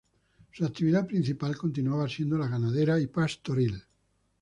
Su actividad principal continuaba siendo la ganadera y pastoril.